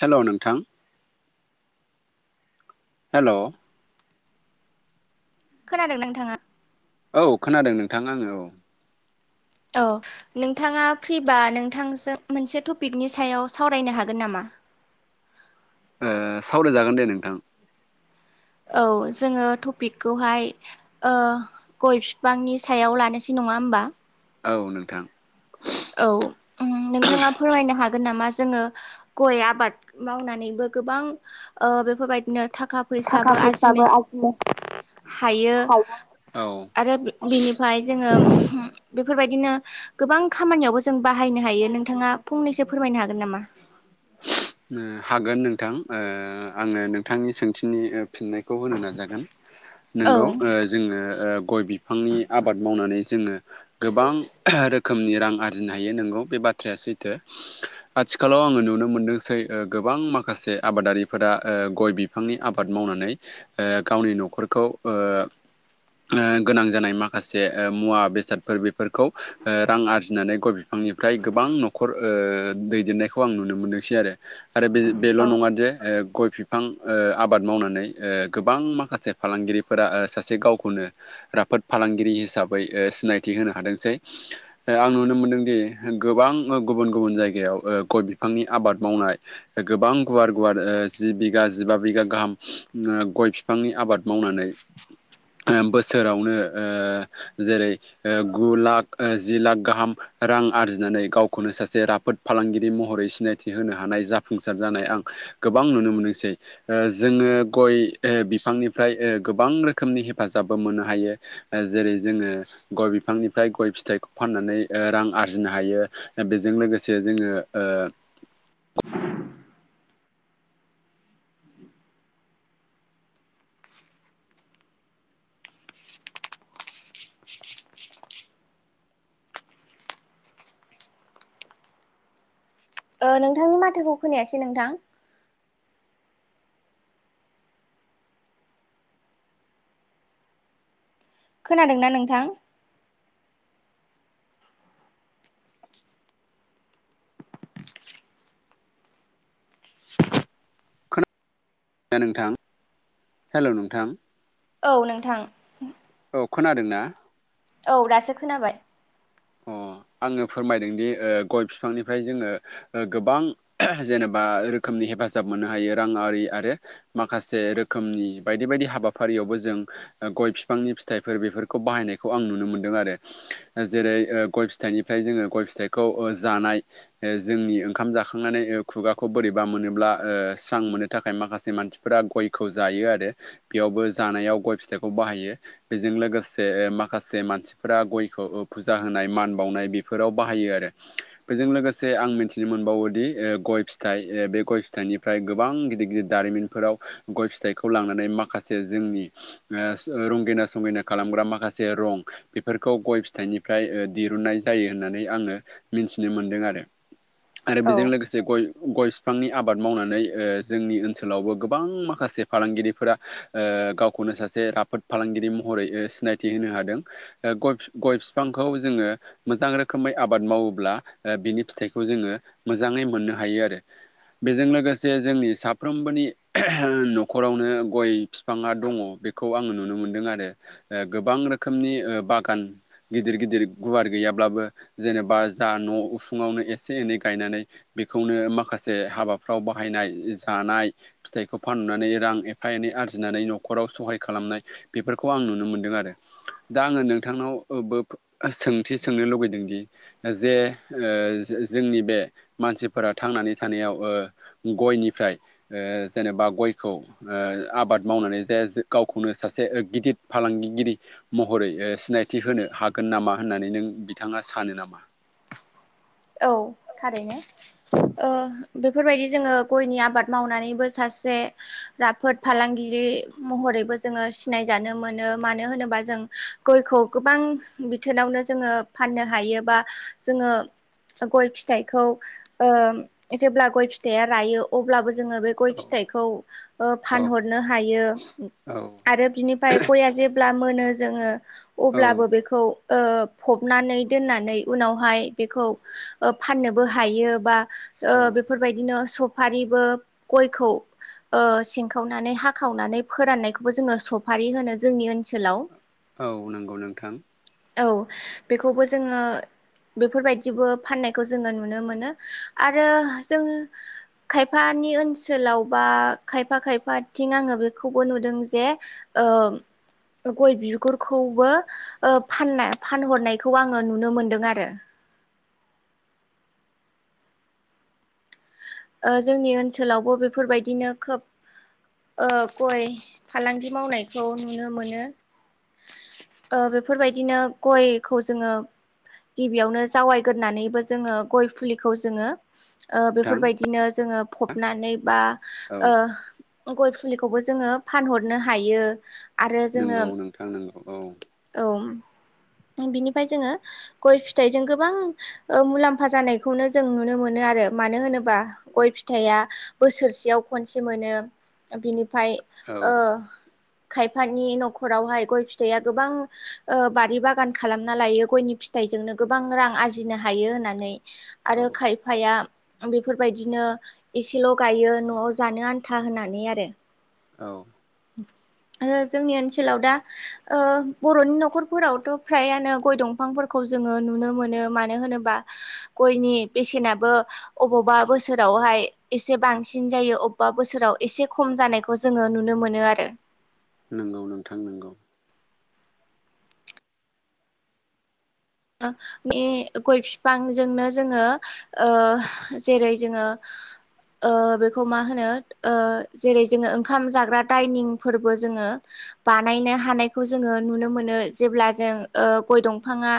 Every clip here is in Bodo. हेलौ' नोंथां हेलौ खोनादों नोंथाङा औ खोनादों नोंथां आङो औ औ नोंथाङा फ्रिबा नोंथांजों मोनसे टपिकनि सायाव सावरायनो हागोन नामा [inaudible] ओ सावरायजागोन दे नोंथां औ जोङो टपिकखौहाय गय बिफांनि सायाव लानोसै नं नङा होमबा औ नोंथां औ उम नोंथाङा फोरमायनो हागोन होन नामा जोङो गय आबाद मावनानैबो गोबां ओ बेफोरबायदिनो थाखा थाखा फैसाबो आरजिनाय आरजिनो हायो आरो बे बिनिफ्राय जोङो होम बेफोरबायदि दिनो गोबां खामानियावबो जों बाहायनो हायो नोंथाङा फंनैसो फोरमायनो हागोन नामा? हागोन नोंथां आङो नोंथांनि सोंथिनि फिनायखौ होनो नाजागोन औ नोंगौ ओ जोङो बिफांनि आबाद मावनानै जोङो गोबां रोखोमनि रां आरजिनो हायो नोंगौ बे बाथ्राया सैथो आथिखालाव आङो नुनो मोनो मोनदोंसै गोबां माखासे आबादारिफोरा गय बिफांनि आबाद मावनानै ओ गावनि न'खरखौ ओ गोनां जानाय माखासे मुवा बेसादफोर बेफोरखौ रां आरजिनानै गय बिफां आंनिफ्राय गोबां न'खर दैदेननायखौ आं नुनो मोनो सै आरो बे-बेल' औ नङा जे गय फिफ फां आबाद मावनानै गोबां माखासे फालांगिरिफोरा सासे गावखौनो राफ फोद फालांगिरि हिसाबै सिनायथि होनो हादोंसै आं नुनो मोनदोंदि गोबां गुबुन गुबुन जायगायाव गय बिफांनि आबाद मावनाय गोबां गुवार गुवार जि बिगा जिबा बिगा गाहाम गय फि फांनि आबाद मावनानै बोसोरावनो जेरै गु लाख जि लाख गाहाम रां आरजिनानै गावखौनो सासे राफोद फालांगिरि महरै सिनाय थि होनो हानाय जाफुंसार जानाय आं गोबां नुनो मोनोसै जोङो गय बिफांनिफ्राय गोबां रोखोमनि हेफाजाबबो मोननो हायो जेरै जोङो गय बिफांनिफ्राय फिथाय गय फिथाइखौ फाननानै रां आरजिनो हायो बेजों लोगोसे जोङो नोंथांनि माथोखौ खोनायासै नोंथां। खोनादोंना नोंथां? नोंथां हेलौ नोंथां औ नोंथां। औ खोनादों ना? औ दासो खोनाबाय। अ आङो फोरमायदों दि गय बिफांनिफ्राय जोङो गोबां जेनेबा रोखोमनि हेफाजाब मोननो हायो रांआरि आरो माखासे रोखोमनि बायदि बायदि हाबाफारियावबो जों गय बिफांनि फिथाइफोर बेफोरखौ बाहायनायखौ आं नुनो मोनदों आरो जेरै गय फिथाइनिफ्राय जोङो गय फिथाइखौ जानाय जोंनि ओंखाम जाखांनानै खुगाखौ बोरैबा मोनोब्ला स्रां मोननो थाखाय माखासे मानसिफोरा गयखौ जायो आरो बेयावबो जा नायाव गय फिथाइखौ बाहायो बेजों लोगोसे माखासे मानसिफ्रा गयखौ फु फुजा होनाय मान बावनाय बेफोराव बाहायो आरो बेजों लोगोसे आं मिथिनो मोनबावोदि गय फिथाइ बे गय फिथाइनिफ्राय गोबां गिदिर गिदिर दारिमिनफोराव गय फिथाइखौ लांनानै माखासे जोंनि रंगिना संगिना खालामग्रा माखासे रं बेफोरखौ गय फिथाइनि फ्राय दिरुनाय जायो होननानै आङो मिथिनो मोनदों आरो आरो औ बेजों लोगोसे गय गय बिफांनि आबाद मावनानै जोंनि ओनसोलावबो गोबां माखासे फालांगिरिफोरा गावखौनो सासे राफोद फालांगिरि महरै सिनायथि होनो हादों गय फि-गय फि फांखौ जोङो मोजां रोखोमै आबाद मावोब्ला बिनि फिथाइखौ जोङो मोजाङै मोननो हा हायो आरो बेजों लोगोसे जोंनि साफ्रोमबोनि न'खरावनो गय बिफाङा दङ। बेखौ आङो नुनो मोनदों आरो गोबां रोखोमनि बागान गिदिर गिदिर गुवार गैयाब्लाबो जेनेबा जा न' उसुङावनो एसे एनै गायनानै बे खौनो माखासे हाबाफ्राव बाहायनाय जानाय फिथाइखौ फाननानै रां एफा एनै आर जिनानै न'खराव सहाय खालामनाय बेफोरखौ आं नुनो मोन्दों आरो दा आङो नोंथांनाव बो सोंथि सोंनो लुगैदोंदि जे जोंनि बे मा मानसिफोरा थांनानै थानायाव गयनिफ्राय जेनेबा गयखौ आबाद मावनानै जे गावखौनो सासे गिदिर फालांगिगिरि महरै सिनाय थि होनो हागोन नामा होननानै नों बिथाङा सानो नामा। औ थारैनो ओ बेफोरबायदि जोङो गयनि आबाद मावनानैबो सासे राफोद फालांगिरि महर बो जोङो सिनायजानो मोनो मानो होनोबा जों गयखौ गोबां बिथोनावनो जोङो ओ फाननो हायोबा जोङो गय फिथाइखौ ओ जेब्ला गय फिथाइया रायो अब्लाबो जोङो बे गय औ फिथाइखौ ओ औ फानहरनो हायो औ आरो बिनि आमफाय गआ जेब्ला मोनो जोङो औ अब्लाबो बेखौ ओ फबनानै दोननानै उनावहाय बेखौ ओ फाननोबो हायो बा औ बेफोरबायदिनो सफारिबो गयखौ ओ सिंखावनानै हाखावनानै फोराननायखौबो जोङो सफारि होनो जोंनि ओनसोलाव औ नंगौ नोंथां औ बेखौबो जोङो बेफोरबायदि बो फाननायखौ जोङो नुनो मोनो आरो जों खायफानि ओनसोलाव बा खायफा खायफाथिं आङो बेखौबो नुदों जे ओं गय बिगुरखौबो ओ फाननाय फानहरनायखौ आङो नुनो मोनदों आरो ओ जोंनि ओनसोलावबो बेफोरबायदिनो खोब ओ गय फालांगि मावनायखौ नुनो मोनो ओ बेफोरबायदिनो गयखौ जोङो गिबियावनो जावायग्रानैबो जोङो गय फुलिखौ जोङो ओ नोंथां बेफोरबायदिनो जोङो फबनानै ओ बा औ गय फुलिखौबो जोङो फानहरनो हायो आरो जोङो नंगौ नोंथां नंगौ औ औ बिनिफ्राय जोङो गय फिथाइजों गोबां ओ मुलाम्फा जानायखौनो जों नुनो मोनो आरो मानो होनोबा गय फिथाइया बोसोरसेयाव खनसे मोनो बिनि बाय औ ओमफाय ओ खायफानि न'खरावहाय गय फिथाइआ गोबां बारि बागान खालामना लायो गयनि फिथाइ बिजोंनो गोबां रां आरजिनो हायो होननानै औ आरो खायफाया बेफोरबायदिनो एसेल' गायो न'आव जानो आन्था होनानै आरो औ [inaudible] आरो जोंनि ओनसोलाव दा ओ बर'नि न'खरफोरावथ' फ्रायानो गय दंफांफोरखौ जों जोङो नुनो मोनो मानो होनोबा गयनि बेसेनाबो अबावबा बोसोरावहाय एसे बांसिन जायो अबेबा बोसोराव एसे खम जानायखौ जोङो नुनो मोनो आरो नंगौ नोंथां नंगौ बे गय बिफांजोंनो जोङो ओ जेरै जोङो ओ बेखौ मा होनो जेरै जोङो ओंखाम जाग्रा दायनिं फोरबो जोङो बानायनो हानायखौ जोङो नुनो मोनो जेब्ला जों गय दंफाङा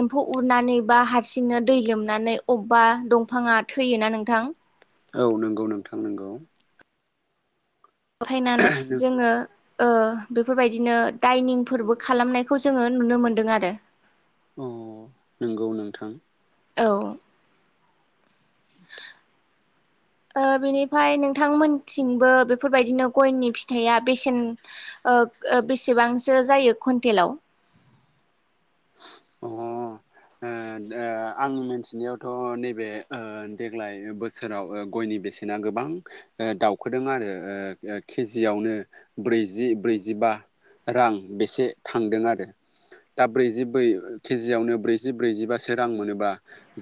एम्फौ उरनानै बा हारसिंनो दै लोमनानै अबेबा दंफाङा थैनानै नोंथां औ नंगौ नोंथां नंगौ। लरहायनानै जोङो ओ बेफोरबायदिनो डाइनिंफोरबो खालामनायखौ जोङो नुनो मोनदों आरो अ नोंगौ नोंथां औ ओ बेनिफ्राय नोंथांमोनथिंबो बेफोरबायदिनो गयनि फिथाइया बेसेन ओ ओ बेसेबांसो जायो कुन्टेलाव अ [inaudible] ओ ओ आंनि मोनथिनायावथ नैबे ओ देग्लाय बोसोराव गयनि बेसेना गोबां गोबां दाउखोदों आरो ओ केजियावनो ब्रैजि ब्रैजिबा रां बेसे थांदों आरो दा ब्रैजि ब्रै केजियावनो ब्रैजि ब्रैजिबासो रां मोनोबा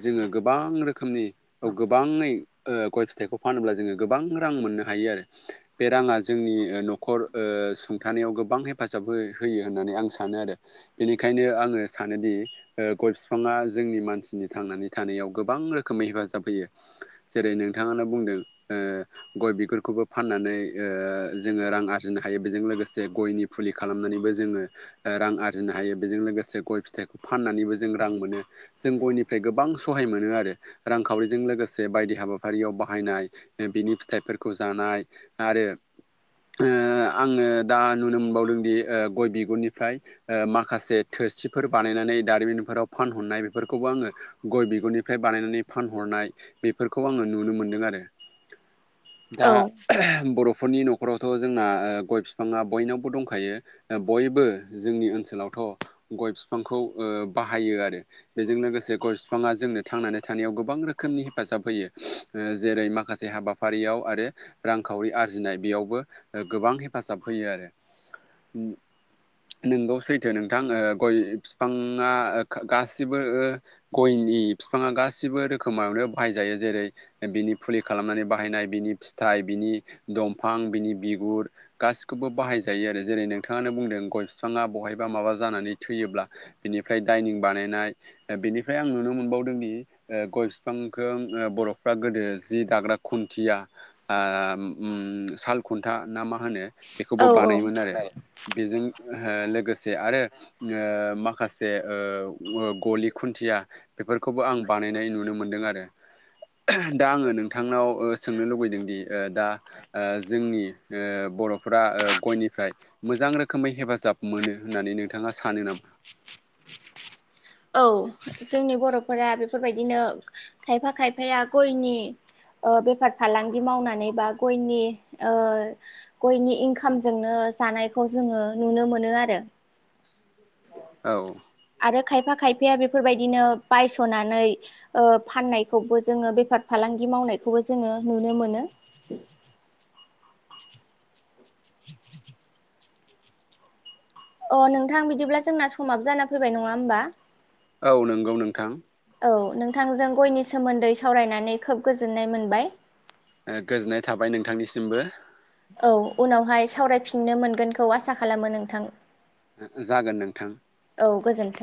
जोङो गोबां रोखोमनि औ गोबाङै ओ गय फिथाइखौ फानोब्ला जोङो गोबां रां मोननो हायो आरो बे राङा जोंनि नखर ओ सुंथानायाव गोबां हेफाजाब हो होयो होननानै आं सानो आरो बेनि ओंखायनो आङो सानोदि ओ गय बिफाङा जोंनि मानसिनि थांनानै थानायाव गोबां रोखोमै हेफाजाब होयो जेरै नोंथाङानो बुंदों ओ गय बिगुरखौबो फाननानै ओ ओ जोङो रां आरजिनो हायो बेजों लोगोसे गयनि फुलि खालामनानैबो जोङो रां आरजिनो हायो बेजों लोगोसे गय फिथाइखौ फाननानैबो जों रां मोनो जों गयनिफ्राय गोबां सहाय मोनो आरो रां खावरिजों लोगोसे बायदि हाबाफारियाव बाहायनाय बिनि फिथाइफोरखौ जानाय आरो ओ आङो दा नुनो मोनबावदों दि गय बिगुरनिफ्राय माखासे माखासे थोरसिफोर बानायनानै दारिमिनफोराव फानहरनाय बेफोरखौबो आङो गय बिगुरनिफ्राय बानायनानै फानहरनाय बेफोरखौ आङो नुनो मोनदों आरो [inaudible] दा औ बर फोरनि नखरावथ जोंना गय बिफाङा बयनावबो दंखायो दा बयबो जोंनि ओनसोलाव औ गय बिफांखौ ओ बाहायो आरो बेजों लोगोसे गय बिफाङा जोंनो थांनानै थानायाव गोबां रोखोम नि हेफाजाब होयो जेरै माखासे हाबाफारियाव आरो रांखावरि आरजिनाय बेयावबो ओ गोबां हेफाजाब होयो आरो नोंगौसै नोंथां ओ गय बिफाङा ओ गासिबो गयनि बिफाङा गासै सिबो रोखोमावनो बाहाय जायो जेरै बिनि फुलि खालामनानै बाहायनाय बिनि फिथाइ बिनि दंफां बिनि बिगुर गासिखौबो बाहायजायो आरो जेरै नोंथाङानो बुंदों गय बिफाङा बहाय बा माबा जानानै थैयोब्ला बिनिफ्राय दाइनिं बानायनाय बेनिफ्राय आं नुनो मोनबावदोंदि ओ गय बिफांखौ ओ बरफ्रा गोदो जि दाग्रा खुन्थिया ओ ओम साल खुन्था ना मा होनो बेखौबो औ औ बानायोमोन आरो बेजों लोगोसे आरो ओ माखासे ओ गलि खुन्थिया बेफोरखौबो आं बानाय नाय नुनो मोनदों आरो दा आङो नोंथांनाव ओ सोंनो लुबैदों दि ओ दा ओ जोंनि ओ बरफ्रा ओ गयनिफ्राय मोजां रोखोमै हेफाजाब मोनो होननानै नोंथाङा सानो नामा औ जोंनि बरफोरा बेफोरबायदिनो खायफा खायफाया गयनि ओ बेफार फालांगि मावनानै बा गयनि ओ गयनि इनकामजोंनो जानायखौ जोङो नुनो मोनो आरो औ आरो खायफा खायफाया बेफोरबायदिनो बायसनानै ओ फाननायखौबो जोङो बेफार फालांगि मावनायखौबो जोङो नुनो मोनो अ नोंथां बिदिब्ला जोंना समाबो जाना फैबाय नङा होमबा औ नोंगौ नोंथां औ नोंथांजों गयनि सोमोन्दै सावरायनानै खोब गोजोननाय मोनबाय ओ गोजोननाय थाबाय नोंथांनिसिमबो औ उनावहाय सावरायफिननो मोनगोनखौ आसा खालामो नोंथां। जागोन नोंथां। औ गोजोन्थों।